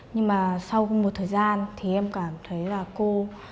nhưng mà sau một thời gian thì em cảm thấy là cô